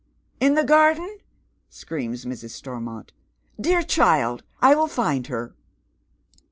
" In the garden ?" screams Mrs. Stormont. " Dear child ! I will find her."